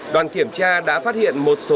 đoàn kiểm tra đã phát hiện một số vi phạm